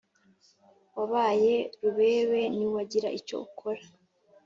wabaye rubebe niwagira icyo ukora